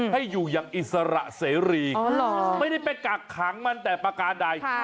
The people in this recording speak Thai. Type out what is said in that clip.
ให้อยู่อย่างอิสระเสรีไม่ได้ไปกักขังมันแต่ประการใด